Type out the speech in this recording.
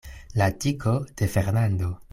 La tiko de Fernando!